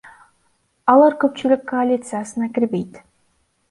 Алар көпчүлүк коалициясына кирбейт.